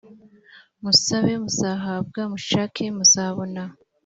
musabe muzahabwa mushake muzabona